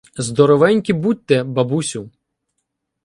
— Здоровенькі будьте, бабусю!